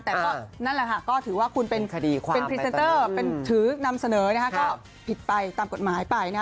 แต่ก็นั่นแหละค่ะก็ถือว่าคุณเป็นพรีเซนเตอร์ถือนำเสนอนะคะก็ผิดไปตามกฎหมายไปนะ